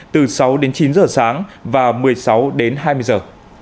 từ sáu chín giờ sáng và một mươi sáu hai mươi giờ